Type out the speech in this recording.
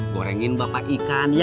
gorengin bapak ikan ya